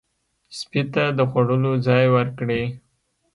سپي ته د خوړلو ځای ورکړئ.